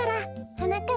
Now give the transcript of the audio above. はなかっ